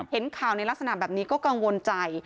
เห็นข่าวในลักษณะแบบนี้ก็กังวลใจ